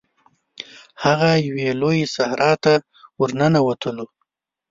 هغه یوې لويي صحرا ته ورننوتلو.